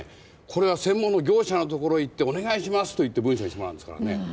これは専門の業者のところへ行って「お願いします」と言って文書にしてもらうんですからね。